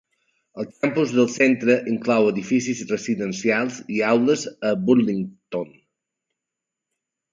El campus del centre inclou edificis residencials i aules a Burlington.